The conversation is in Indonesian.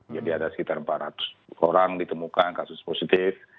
jadi ada sekitar empat ratus orang ditemukan kasus positif